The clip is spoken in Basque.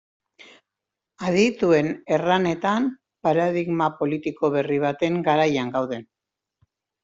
Adituen erranetan, paradigma politiko berri baten garaian gaude.